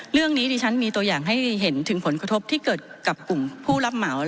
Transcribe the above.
เรื่องนี้ดิฉันมีตัวอย่างให้เห็นถึงผลกระทบที่เกิดกับกลุ่มผู้รับเหมา